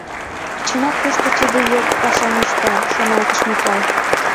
«Чынак, кушто тиде еҥ пашам ышта? — шоналтыш Миклай.